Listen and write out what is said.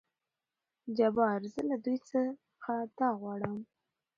جبار : زه له دوي څخه دا غواړم.